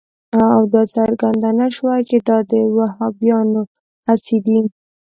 او دا څرګنده نه شوه چې دا د وهابیانو هڅې دي.